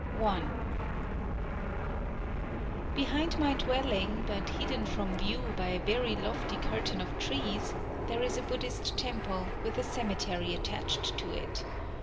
_ I Behind my dwelling, but hidden from view by a very lofty curtain of trees, there is a Buddhist temple, with a cemetery attached to it.